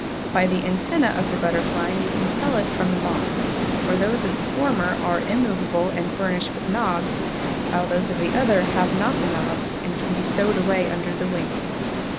By the antennæ of the Butterfly you can tell it from, the Moth, for those of the former are immovable and furnished with knobs, while those of the other have not the knobs and can be stowed away under the wings.